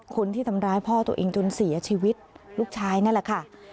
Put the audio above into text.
คนที่ทำร้ายพ่อตัวเองจนเสียชีวิตลูกชายนั่นแหละค่ะ